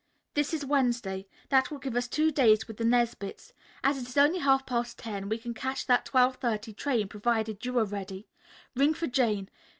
"This is Wednesday. That will give us two days with the Nesbits. As it is only half past ten we can catch that 12.30 train, provided you are ready. Ring for Jane.